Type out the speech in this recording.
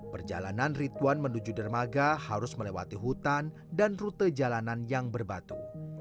perjalanan rituan menuju dermaga harus melewati hutan dan rute jalanan yang berbatu